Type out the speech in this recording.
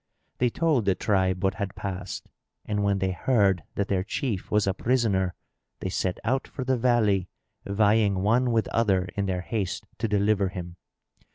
They told the tribe what had passed; and, when they heard that their chief was a prisoner, they set out for the valley vying one with other in their haste to deliver him.